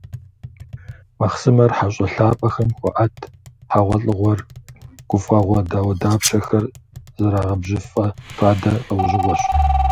Махъсымэр хьэщIэ лъапIэхэм хуаIэт, хьэгъуэлIыгъуэр, гуфIэгъуэ дауэдапщэхэр зэрагъэбжьыфIэ фадэ лIэужьыгъуэщ.